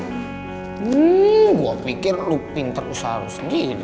hmm gua pikir lu pinter usaha usaha gini